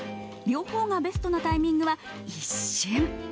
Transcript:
両方がベストなタイミングは一瞬。